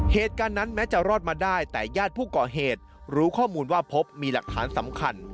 เหตุการณ์นั้นแม้จะรอดมาได้แต่ญาติผู้ก่อเหตุรู้ข้อมูลว่าพบมีหลักฐานสำคัญ